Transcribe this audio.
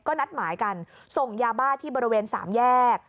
ก็นัดหมายกันส่งยาบ้าที่บริเวณสามแยก